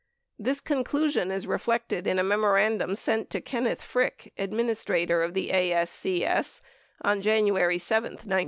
This conclusion is reflected in a memorandum sent to Kenneth Frick, Administrator of the ASCS, on January 7, 1971.